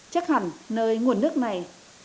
chắc hẳn nơi nguồn nước này